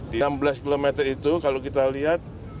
di enam belas km itu kalau kita lihat